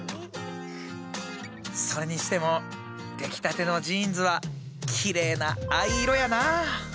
それにしても出来たてのジーンズはきれいな藍色やなあ。